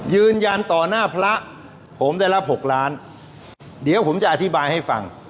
ยืนยันต่อหน้าพระผมได้รับ๖ล้านเดี๋ยวผมจะอธิบายให้ฟัง